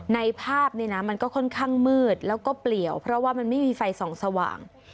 ในภาพเนี่ยนะมันก็ค่อนข้างมืดแล้วก็เปลี่ยวเพราะว่ามันไม่มีไฟส่องสว่าง